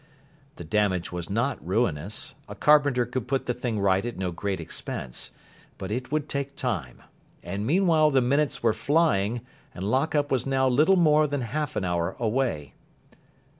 The damage was not ruinous. A carpenter could put the thing right at no great expense. But it would take time. And meanwhile the minutes were flying, and lock up was now little more than half an hour away.